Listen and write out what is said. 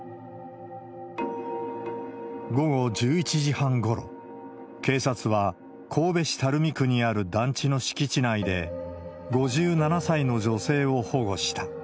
午後１１時半ごろ、警察は、神戸市垂水区にある団地の敷地内で、５７歳の女性を保護した。